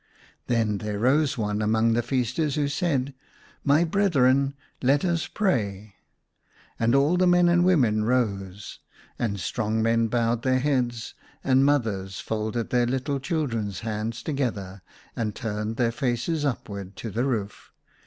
Then there rose one amonof the ACROSS MV BED. 141 feasters, who said, "My brethren, let us pray ! And all the men and women rose : and strong men bowed their heads, and mothers folded their little children's hands together, and turned their faces upwards, to the roof.